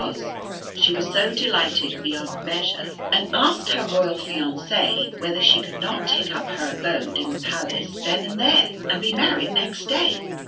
So she was delighted beyond measure, and asked her royal fiancé whether she could not take up her abode in the palace then and there, and be married next day.